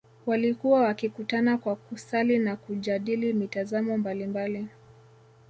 Walikuwa wakikutana kwa kusali na kujadili mitazamo mbalimbali